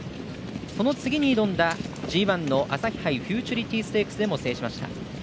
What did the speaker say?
その次に挑んだＧＩの朝日杯フューチュリティステークスでも制しました。